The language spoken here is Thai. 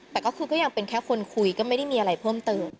แต่ก็คือก็ยังเป็นแค่คนคุยก็ไม่ได้มีอะไรเพิ่มเติม